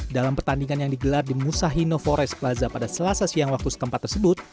dalam pertandingan yang digelar di musahino forest plaza pada selasa siang waktu setempat tersebut